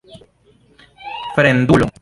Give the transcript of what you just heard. fremdulo